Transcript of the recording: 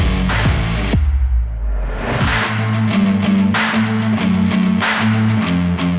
หน้ากลี้